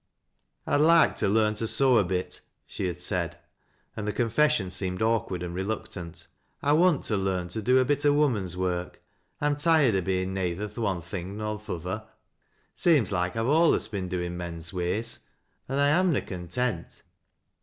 " I'd loike to learn to sew a bit," she had said, and the confession seemed awkward and reluctant. " I want to loam to do a J)it o' woman's work. I'm tired o' bein' oeyther th' one thing nor th' other. Seems loike I've alius been doin' men's ways, an' I am na content."